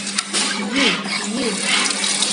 Йӱ, йӱ!